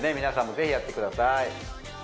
皆さんも是非やってください